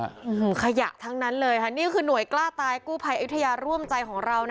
ขยะทั้งนั้นเลยค่ะนี่คือหน่วยกล้าตายกู้ภัยอยุธยาร่วมใจของเรานะ